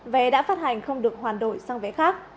vé đã phát hành không được hoàn đổi sang vé khác